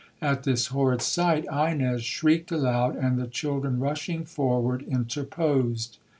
At this horrid sight, Ines shrieked aloud, and the children, rushing forward, interposed.